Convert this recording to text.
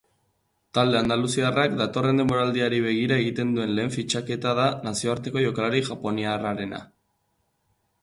Talde andaluziarrak datorren denboraldiari begira egiten duen lehen fitxaketa da nazioarteko jokalari japoniarrarena.